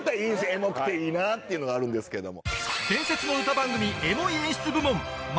エモくていいなっていうのがあるんですけども。